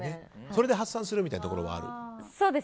それで発散するみたいなところがある？